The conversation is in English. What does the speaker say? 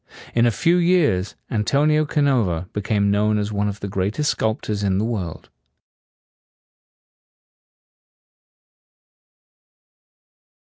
In a few years, Antonio Canova became known as one of the greatest sculptors in the world.